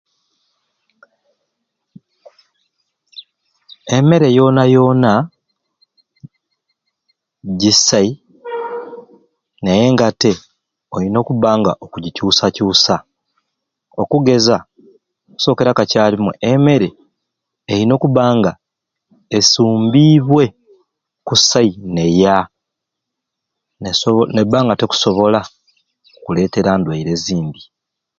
Emeere yona yona jisai nayenga tte oyina okubanga okujikyusakyusa okugeeza okusokeera kacarumwei emeere eyina okubanga esumbibwe kusai neeya nesobo nebba nga tekusobola kuleteera ndwaire zindi.